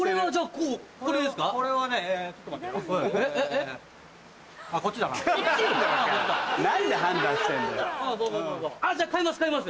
こっち⁉じゃあ買います買います。